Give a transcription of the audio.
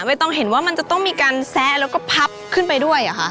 ต้องเห็นว่ามันจะต้องมีการแซะแล้วก็พับขึ้นไปด้วยเหรอคะ